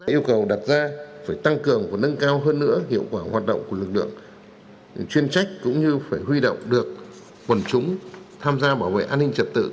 yêu cầu đặt ra phải tăng cường và nâng cao hơn nữa hiệu quả hoạt động của lực lượng chuyên trách cũng như phải huy động được quần chúng tham gia bảo vệ an ninh trật tự